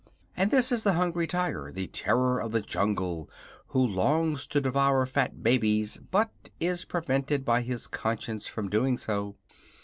And this is the Hungry Tiger, the terror of the jungle, who longs to devour fat babies but is prevented by his conscience from doing so.